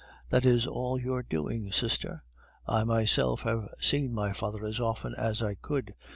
That is all your doing, sister! I myself have seen my father as often as I could.